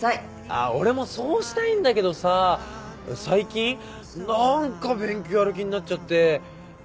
あ俺もそうしたいんだけどさ最近何か勉強やる気になっちゃって。